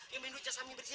yang minum cezamin bersih